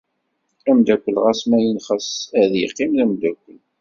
Amdakel ɣas ma yenxeṣṣ, ad yeqqim d amdakel.